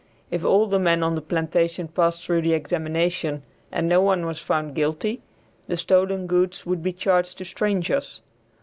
If all the men on the plantation passed through the examination and no one was found guilty, the stolen goods would be charged to strangers.